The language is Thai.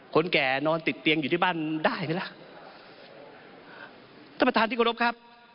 คนแก่นอนติดเตียงอยู่ที่บ้านได้มั้ล่ะ